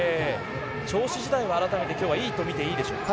調子自体は改めていいと見ていいでしょうか？